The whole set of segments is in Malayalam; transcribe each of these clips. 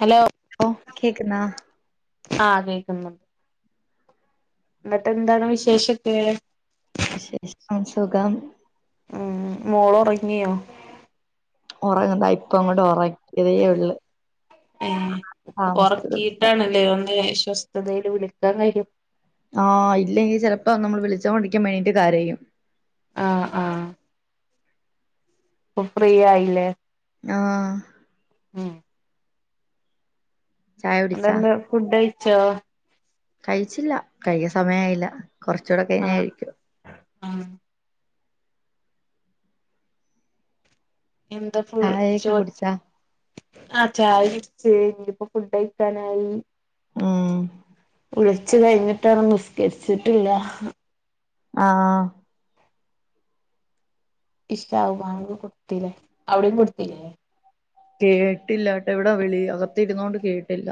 ഹലോ ഓ കേക്കുന്നാ ആ കേക്കുന്നു. എന്നിട്ട് എന്താണ് വിശേഷക്കെ വിശേഷം അ സുഖം ഉം ഉം മോള് ഉറങ്ങിയോ ഉറങ്ങ് താ ഇപ്പ അങ്ങോട്ട് ഉറക്കിയതേ ഉള്ള്. ഒറക്കിയിട്ടാണല്ലേ ഒന്ന് സ്വസ്ഥതൽ വിളിക്കാൻ കഴിയ ആഹ് ഇല്ലെങ്കി ചിലപ്പോ നമ്മള് വിളിച്ചോണ്ടിരിക്കുമ്പം എണീറ്റ് കരയും. ആഹ് ആഹ് ഇപ്പ ഫ്രീ ആയില്ലേ ആഹ് ഉം ചായ കുടിച്ചാ അതൊണ്ട് ഫുഡ് കഴിച്ചോ കഴിച്ചില്ല കഴിക്ക സമയായില്ല കുറച്ചുകൂടെ കഴിഞ്ഞ് ആഹ് കഴിക്കും ആഹ് എന്താ ഫു ചായയൊക്കെ ചോ കുടിച്ചാ ആ ചായ കുട്ച്ചു ഇനിയിപ്പോ ഫുഡ് കഴിക്കാനായി ഉം വിളിച്ചു കഴിഞ്ഞിട്ട് വാണം നിസ്കരിച്ചിട്ടില്ല ആഹ് ഇഷാഹ് ബാങ്ക് കൊടുത്തില്ലേ അവിടെയും കൊടുത്തില്ലേ കേട്ടില്ല ട്ടോ ഇവിടെ വിളി അകത്തിരുന്നോണ്ട് കേട്ടില്ല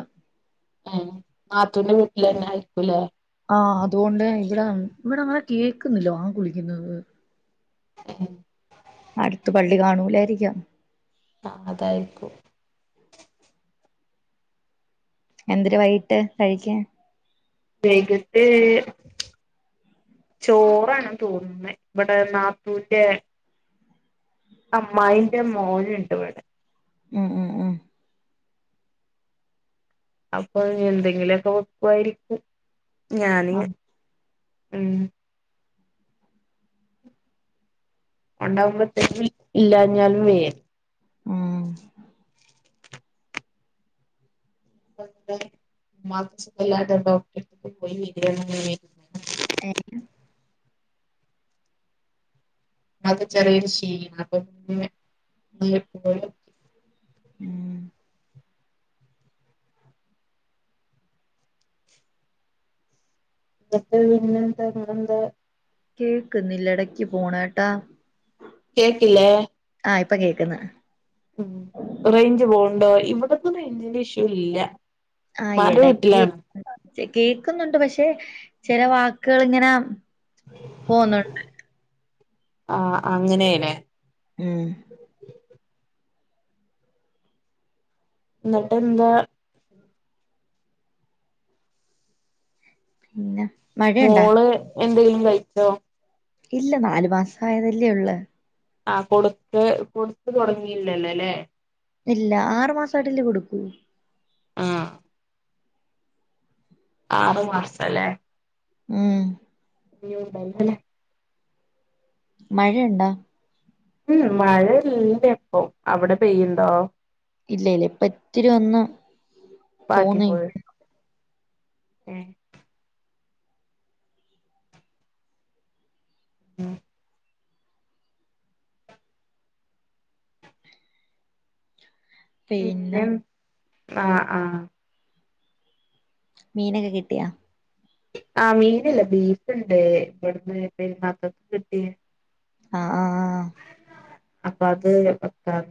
ഏ നാത്തൂന്റെ വീട്ടിലെന്നെ ആയിരിക്കൂലേ ആഹ് അതുകൊണ്ട് ഇവിടെ ഇവിടെ അങ്ങനെ കേൾക്കുന്നില്ലോ വാങ്ക് വിളിക്കുന്നത് ഏഹ് അടുത്ത് പള്ളി കാണൂലായിരിക്കാം. ആ അതായിരിക്കും എന്തിരു വൈകിട്ട് കഴിക്കൻ വൈകിട്ട് ചോറാണ് തോന്നുന്നത് ഇവിടെ നാത്തൂന്റെ അമ്മായിന്റെ മോന്ണ്ട് ഇവിടെ ഉം ഉം ഉം അപ്പൊ എന്തെങ്കിലൊക്കെ വെക്കുവായിരിക്കും ഞാന് ആഹ് ഉം ഉണ്ടാവുമ്പോഴത്തേക്കും ഇല്ലാഞ്ഞാലും വേ ഉം [unintelligible] പോയി വരാണ് ഞാന് ഏ [unintelligible] അത് ചെറിയൊരു [unintelligible] അപ്പൊ [unintelligible] ഉം ഇട്ട പിന്നെന്തങ്ങന്ത കേക്ക്ന്നില്ല ഇടക്ക് പോണ ട്ടാ കേക്കില്ലേ ആ ഇപ്പൊ കേൾക്കുന്ന ഉം റേഞ്ച് പോക്ണ്ടോ ഇവിടന്നും റേഞ്ചിന്റെ ഇഷ്യൂ ഇല്ല ആ ഉമ്മാന്റെ എടക്ക് വീട്ടിലാണ് കേൾക്കുന്നുണ്ട് പക്ഷെ ചില വാക്കുകൾ ഇങ്ങനെ പോവുന്നുണ്ട് ആ അങ്ങനേ ലെ ഉം എന്നിട്ട് എന്താ പിന്നെ മഴയുണ്ടാ മോള് എന്തെങ്കിലും കഴിച്ചോ ഇല്ല നാല് മാസമായതല്ലേ ഉള്ള് ആഹ് കൊടുത്ത് കൊടുത്ത് തുടങ്ങിയില്ലല്ലല്ലേ ഇല്ല, ആറു മാസമായിട്ടല്ലേ കൊടുക്കൂ. ആഹ് ആറ് മാസ അലേ. ഉം [unintelligible] മഴെ ഇണ്ടാ? ഇമ്, ഇമ് മഴ ഇല്ല ഇപ്പം അവിടെ പെയ്യ്ണ്ടോ? ഇല്ല, ഇല്ല ഇപ്പ ഇത്തിരി ഒന്ന് തോന്നി പാറ്റിപോയി. ഏഹ് ഏഹ് പിന്നെ പിന്നെം, ആഹ്, ആഹ് മീനൊക്കെ കിട്ടിയാ? ആ മീനല്ല ബീഫ് ഇണ്ട്. ഇബട്ന്ന് പെരുന്നാക്കക്ക് കിട്ടിയെ ആഹ്, ആഹ് അപ്പ അത് വെക്കാം.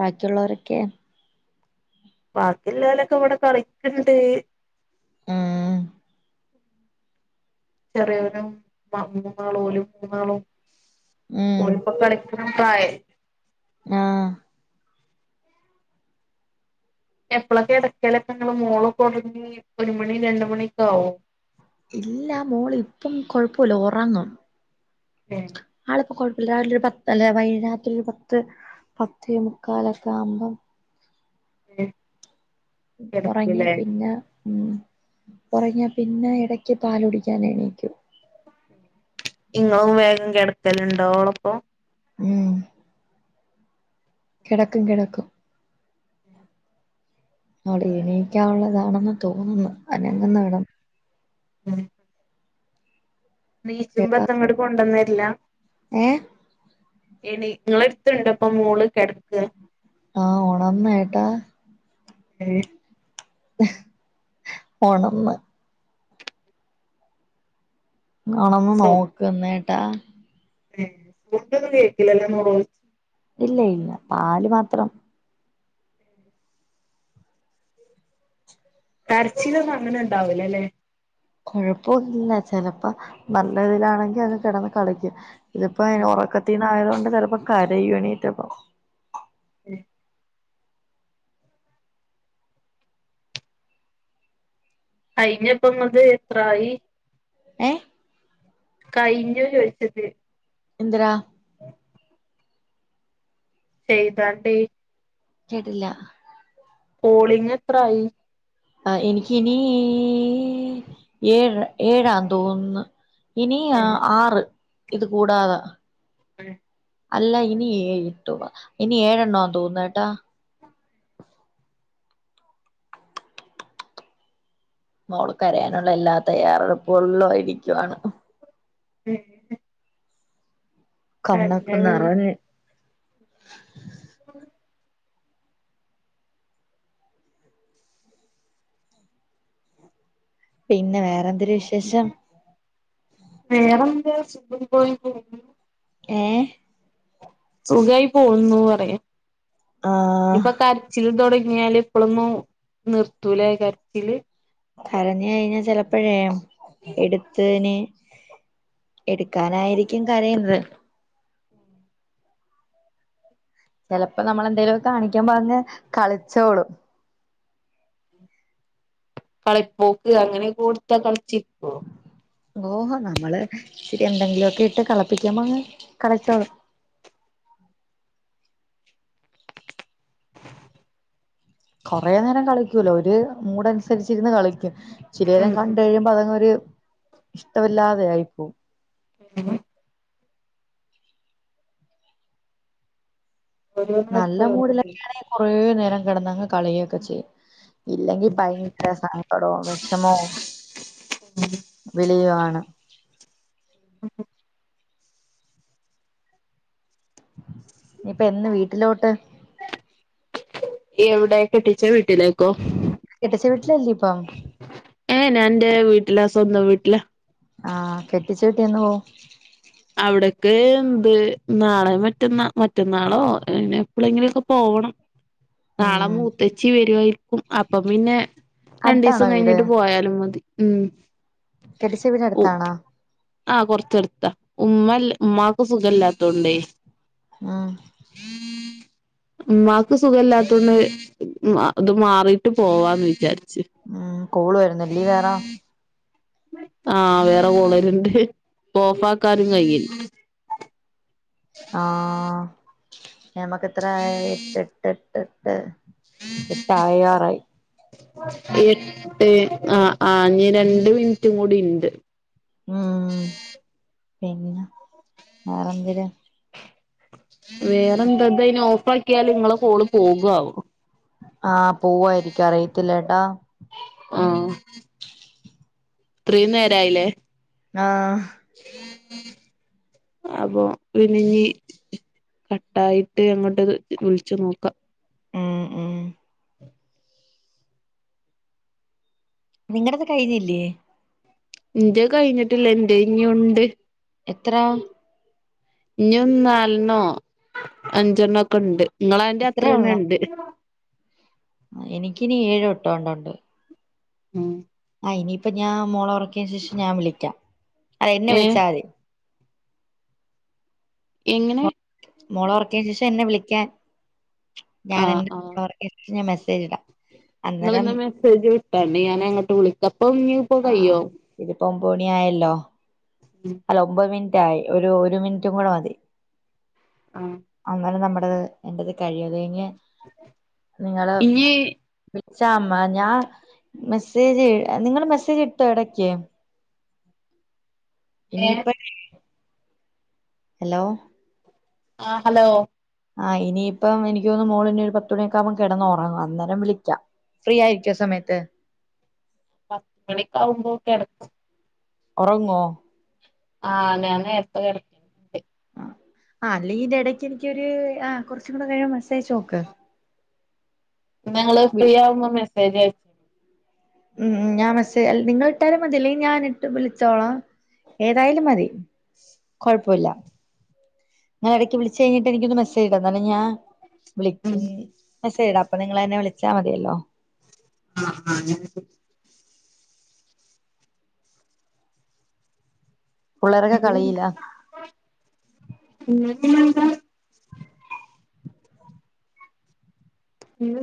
ബാക്കിയുള്ളവരൊക്കെ? ബാക്കി ഇല്ലോലൊക്കെ ഇവിടെ കളിക്ക്ണ്ട്. ആഹ് ചെറിയോനും മ മൂന്നാള് ഓലും മൂന്നാളും ഉം ഓല് ഇപ്പ കളിക്ക് ആഹ് എപ്പള കെടക്കലൊക്കെ ഇങ്ങള്? മോള് ഒക്കെ ഒറങ്ങി ഒരു മണി രണ്ട് മണിയൊക്കെ ആവും. ഇല്ല, മോള് ഇപ്പം കൊഴപ്പോല്ല, ഒറങ്ങും. ഏഹ് ആള് ഇപ്പോ കൊഴപ്പോല്ല രാവിലെ ഒരു പത്ത് അല്ലെ രാത്രി ഒരു പത്ത് പത്തോ മുക്കാല് ഒക്കെ ആവ്മ്പം അല്ലെ ഉറങ്ങിയ പിന്നെ ഉം ഒറങ്ങിയ പിന്നെ എടക്ക് പാല് കുടിക്കാൻ എണീക്കും. ഇങ്ങളും വേഗം കെടക്കല് ഇണ്ടോ ഓളപ്പം? ഉം കിടക്കും കിടക്കും. അവള് എണീക്കാനുള്ളതാണെന്ന് തോന്നുന്നു അനങ്ങ്ന്നെ കാണാം. ഉം നീച്ചുമ്പ എത്ത ഇങ്ങട്ട് കൊണ്ടന്നെര്ല. ഏഹ്? എണീ ഇങ്ങളെ എട്ത്ത് ഇണ്ട ഇപ്പം മോള് കെടക്ക്? ആ ഒണർന്ന് കേട്ടാ. ഏഹ് ഹ്, ഹ് ഒണർന്ന്. ഒണന്ന് നോക്ക്ന്നേട്ടാ. ഏഹ്, ഫുഡ് ഒന്നും കെഴിക്കില്ലല്ലോ മോള്. ഇല്ല, ഇല്ല പാല് മാത്രം. കരച്ചിലൊന്നും അങ്ങനെ ഉണ്ടാവൂല അല്ലേ കൊഴപ്പൊന്നില്ല ചെലപ്പോ നല്ല ഇതിലാണെങ്കി അത് കിടന്ന് കളിക്കും ഇതിപ്പോ ഉറക്കത്തിനയപ്പോകൊണ്ട് ചിലപ്പോ കരയു എണീറ്റപ്പോ എ അയ്നിപ്പം നിങ്ങ ഇത്എത്രായി ഏ കയിഞ്ഞോ ചോദിച്ചത് എന്തറാ എ ചെയ്ത ട്ടോ കേട്ടില്ല കോളിംഗ് എത്രായി ആ എനക്ക് ഇനിനീ ഏഴ് ഏഴാ തോന്ന് ഇനി ആറ് ഇത് കൂടാതെ [unintelligible] അല്ല ഇനി എഴ് ഇനി ഏഴെണ്ണോ തോന്നട്ടാ മോൾ കരയാനുള്ള എല്ലാ തയ്യാറെടുപ്പുകളിലും ആയിരികാണ് ഉം കണ്ണ് ഒക്കെനിറഞ്ഞ് [unintelligible] പിന്നെ വേറെന്തര് വിശേ ഷം വേറെ എന്ത സുഖയി പോണ് ഏയ് സുഖകായി പോകുന്നു പറയ ആഹ് ഇഞ്പ്പൊ കരച്ചില് തുടങ്ങിയാല് ഇപ്പഴൊന്നും നിർത്തൂലേ കരച്ചില് കരഞ് കഴിഞ്ഞാ ചിലപ്പോഴേ ഇടുത്തതിന് എടുക്കാനായിരിക്കും കരയുന്നത് ചിലപ്പോ നമ്മളെന്തേലുക്കെ കാണിക്കുമ്പോൾ അങ്ങ് കളിച്ചോളും കളിപ്പോക്ക് അങ്ങനെ കൊടുത്താ കളിച്ചിപ്പോ ഓഹോ നമ്മള് ഇിത്തിരി എന്തെങ്കിലുക്കെ ഇട്ട് കളപ്പിക്കുമ്പോ അങ്ങ് കളിച്ചോളും കൊറേ നേരം കളിക്കൂലാ ഒരു മൂടനുസരിച്ചിരുന്ന് കളിക്കും ഇച്ചിരി നേരം ഉം കണ്ട് കഴിയുമ്പോ അതങ്ങ് ഒരു ഇഷ്ടമല്ലാതെ ആയിപ്പോവും [unintelligible] നല്ല മൂടിലൊക്കൊണെങ്കിൽ കുറേ നേരം കിടന്നങ്ങ് കളിയൊക്കെ ചെയ്യും ഇല്ലെങ്കിൽഭ - യങ്കര സങ്കടവും വിഷമോ വിളിയോ ആണ് ഇനി ഇപ്പ എന്ന് വീട്ടിലോട്ട് എവിടെ കെട്ടിച്ച വീട്ടിലേ കെട്ടിച്ച വീട്ടിൽ അല്ലേ ഇപ്പം ഏയ് ഞാനെന്റെ വീട്ടിലാ സ്വന്തം വീട്ടിലാ ആഹ് കെട്ടിച്ച വീട്ടി എന്ന് പോവും? അവിടക്കെ എന്ത് നാളെ മറ്റന്നാ മറ്റന്നാളോ ഇ എപ്പോഴെങ്കിലുക്കെ പോവണം നാളെ ഉം മൂത്തച്ചി വരുവായിരിക്കും അപ്പം പിന്നെ രണ്ടീസം അടുത്താണോ വീട് കഴിഞ്ഞിട്ട് പോയാലും മതി ഉം കെടിച്ച വീട് അടുത്താണാ? ആഹ്! കൊറച്ചെടുത്താ ഉമ്മല്ല ഉമ്മാക്ക് സുഖം ഇല്ലാത്തോണ്ടേ ആഹ്! ഉമ്മാക്ക് സുഖമല്ലാത്തൊണ്ട് അത് മാറിട്ട് പോവാന്ന് വിചാരിച്ച് ഉം.... കോള് വരുന്നല്ലേ വേറെ ആഹ്! വേറെ കോള് വരുന്നുണ്ട് ഓഫാക്കാനും കയില്ല ആ നമക്ക് എത്ര എട്ട് എട്ട് എട്ട് എട്ട് എട്ടായ് വാറായി എട്ട് ആ ആഞ് രണ്ട് മിനിറ്റും കൂടി ഉണ്ട് ഉം... പിന്നെ വേറെ എന്തിരാ വേറെന്താന്തതിനന് ഓഫ് ആക്കിയാല് നിങ്ങള് കോള് പോകു ആവോ? ആഹ്! പോവായിരിക്കും അറിയത്തില്ലാട്ടാ ആഹ് ഇത്രേം നേരായില്ലേ? ആഹ്! അപ്പോ പിന്നിനി കട്ടായിട്ട് അങ്ങോട്ട് വിളിച്ച് നോക്കാം ഉം ഉം നിങ്ങടത് കഴിഞ്ഞില്ലേ? ഇന്റെത് കഴിഞ്ഞിട്ടില്ല എന്റെ ഇനി ഒണ്ട് എത്ര? ഇനി നാലെണ്ണോ അഞ്ചെണ്ണോ ഒക്കെ ഉണ്ട് നിങ്ങള അതിന്റെ ഇത്രേ അത്രന്ന ഒള്ളോ ഉണ്ട് എനിക്കിനി ഏഴോ എട്ടോണ്ണ്ട് ഉം. ആഹ്! ഇനിയിപ്പ ഞാൻ മോള ഉറക്കിയന് ശേഷം ഞാൻ വിളിക്കാം അല്ല എന്നെ ഏ വിളിച്ചാൽ മതി എങ്ങനെ? മോളെ ഒറക്കിയന് ശേഷം എന്നെ വിളിക്കാൻ ഞാൻ എ ആഹ് ആഹ് ഒറക്കിയതിനു ശേഷം മെസ്സേജ് ഇടാം അന്നേരം നിങ്ങളിന്ന് മെസ്സേജ് വിട്ടാണ്ട് ഞാൻ അങ്ങോട്ട് വിളിക്ക അപ്പൊ ഇനി ഇപ്പോ ആഹ് കയ്യോ ഇതിപ്പോ ഒൻപതുമണിയായല്ലോ അല്ല ഒമ്പത് മിനിറ്റ് ആയി ഒരു ഒരു മിനിറ്റും കൂടെ മതി ആഹ്! അങ്ങനെ നമ്മടത് എന്റെത് കഴിയുംഅത് കഴിഞ്ഞ് നിങ്ങള് ഇനി വിളിച്ചാ അമ്മ ഞാൻ മെസ്സേജ് നിങ്ങള് മെസ്സേജ് ഇട്ടോ ഇടക്ക് ഏ ഇനിയിപ്പ- ഹലോ ആഹ് ഹലോ ആഹ് ഇനിയിപ്പം എനിക് തോന്നു മോള് ഇനി ഒരു പത്ത് മണിയൊക്കെകുമ്പോ കിടന്ന് ഉറങ്ങും അന്നേരം വിളിക്കാം ഫ്രീ ആയിരിക്ക്വോ ആസമയത്ത്- പത്ത് മണിക്കാവുമ്പോ കെടകും ഒറങ്ങോ ആഹ് ഞാനെ നേരത്തെ കെട - ആ അല്ലെങ്കി ഇടയ്ക്ക് എനിക്കൊരു ആ കുറച്ച കൂടെ കഴിയുമോ മെസേജയച്ച് നോക്ക് ഞങ്ങള് ഫ്രീ വിളി ആവ്മ്പൊ മെസ്സേജ് അയക് ഉം ഞാൻ മെസ് നിങ്ങിട്ടാലും മതി അല്ലെ ഞാനിട്ട് വിളിച്ചോളാം ഏതായാലും മതി. [unintelligible] കൊഴപ്പല്ല. ഞാൻ ഇടയ്ക്ക് വിളിച്ച് കഴിഞ്ഞിട്ട് എനിക്കൊന്ന് മെസ്സേജ് ചെയ്ത കാരണം ഞാൻ വിളിക്കുന്നു. മെസ്സേജ് ഇടാം, അപ്പൊ നിങ്ങൾ എന്നെ വിളിച്ചാൽ മതിയല്ലോ. ആഹ് ആഹ് അങ്ങനെ അങ്ങോട്. പുള്ളേരൊക്കെ അവള് കളിയിലാ എന്തിയെ, [unintelligible] എന്നിട്ട് പിന്നെയെന്താ? ഉം